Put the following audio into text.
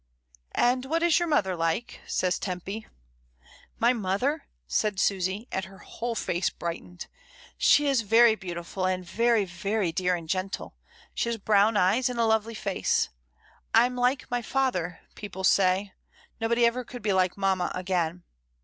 "And what is your mother like?" says Tempy. "My mother," said Susy, and her whole face brightened, "she is very beautiful and very very dear and gentle. She has brown eyes and a lovely face. Fm like my father, people say. Nobody ever could be like mamma again."